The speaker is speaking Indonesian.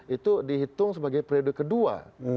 itu dihitung sebagai periode kedua